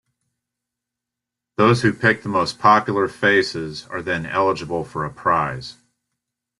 Those who picked the most popular faces are then eligible for a prize.